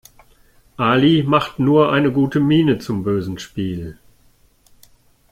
Ali macht nur eine gute Miene zum bösen Spiel.